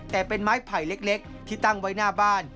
แต่เป็นไม้ไผ่เล็กที่ตั้งไว้หน้าบ้าน